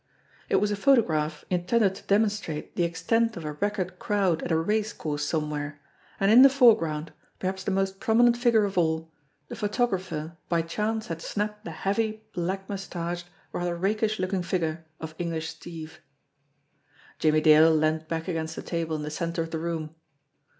It was a photograph intended to demonstrate the extent of a record crowd at a race course somewhere, and in the foreground, perhaps the most prominent figure of all, the photographer by chance had snapped the heavy black moustached, rather rakish looking figure of English Steve. Jimmie Dale leaned back against the table in the centre of the room.